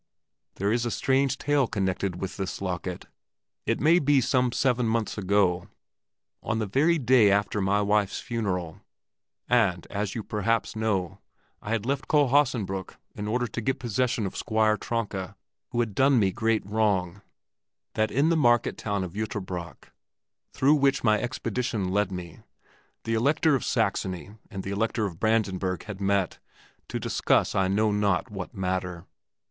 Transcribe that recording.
"There is a strange tale connected with this locket. It may be some seven months ago, on the very day after my wife's funeral and, as you perhaps know, I had left Kohlhaasenbrück in order to get possession of Squire Tronka, who had done me great wrong that in the market town of Jüterbock, through which my expedition led me, the Elector of Saxony and the Elector of Brandenburg had met to discuss I know not what matter.